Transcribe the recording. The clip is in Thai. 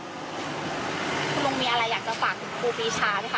คุณลุงมีอะไรอยากจะฝากถึงครูปีชาไหมคะ